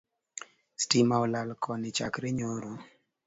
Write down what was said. Stima olal Koni chakre nyoro